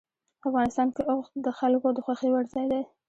افغانستان کې اوښ د خلکو د خوښې وړ ځای دی.